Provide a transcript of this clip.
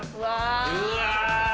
うわ！